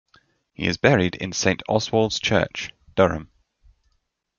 He is buried in Saint Oswald's Church, Durham.